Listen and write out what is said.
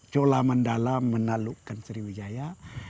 jola mandala menalukan sriwijaya